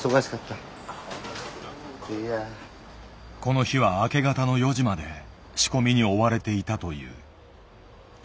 この日は明け方の４時まで仕込みに追われていたという。